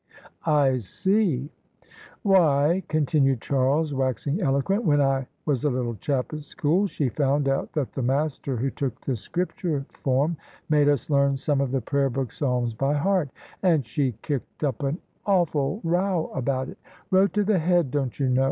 "I see." "Why," continued Charles, waxing eloquent, "when I was a little chap at school she found out that the master who took the Scripture form made us learn some of the Prayer book psalms by heart; and she kicked up an awful row about it: wrote to the Head, don't you know?